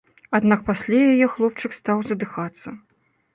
Аднак пасля яе хлопчык стаў задыхацца.